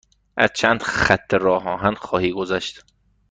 از چند خط راه آهن خواهی گذشت.